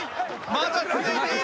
まだ続いている！